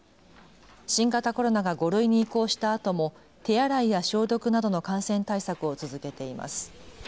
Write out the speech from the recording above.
新型コロナが５類に移行したあとも手洗いや消毒などの感染対策を続けています。